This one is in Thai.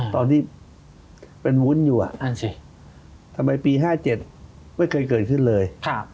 ตอนที่เป็นวุ้นอยู่ทำไมปี๕๗ไม่เคยเกิดขึ้นเลย